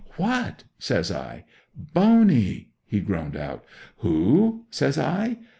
'"What?" says I. '"Boney!" he groaned out. '"Who?" says I.